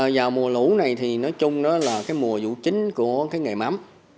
vào mùa lũ này thì nói chung đó là cái mùa vụ chính của cái nghề mắm